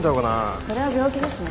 それは病気ですね。